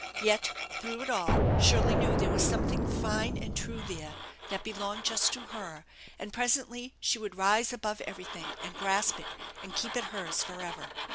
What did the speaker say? Yet through it all Shirley knew there was some thing fine and true there that belonged just to her, and presently she would rise above everything and grasp it and keep it hers forever.